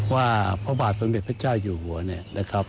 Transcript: ว่าพระบาทสมเด็จพระเจ้าอยู่หัวเนี่ยนะครับ